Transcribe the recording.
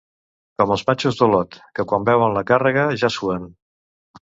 Com els matxos d'Olot, que quan veuen la càrrega ja suen.